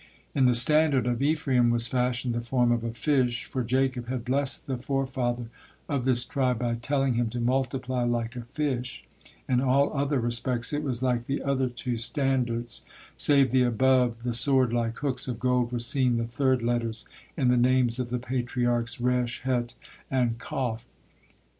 In the standard of Ephraim was fashioned the form of a fish, for Jacob had blessed the forefather of this tribe by telling him to multiply like a fish; in all other respects it was like the other two standards, save the above the sword like hooks of gold were seen the third letters in the names of the Patriarchs, Resh, Het, and Kof.